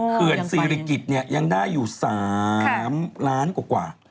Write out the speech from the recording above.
เขื่อนสีริกิจยังได้อยู่๓ล้านกว่า